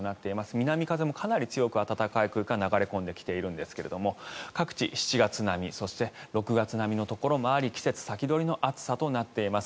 南風もかなり強く暖かく流れ込んできているんですが各地、７月並みそして６月並みのところもあり季節先取りの暑さとなっています。